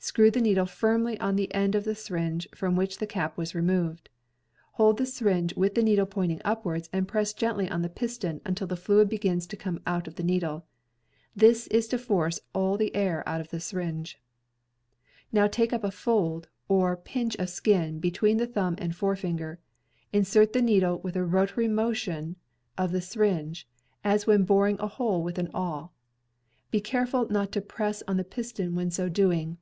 Screw the needle firmly on the end of the syringe from which the cap was removed. Hold the syringe with the needle pointing upwards and press gently on the piston until the fluid begins to come out of the needle. This is to force all the air out of the syringe. Now take up a fold or pinch of skin between the thumb and forefinger, insert the needle with a rotary motion of the syringe, as when boring a hole with an awl, being careful not to press on the piston while so doing.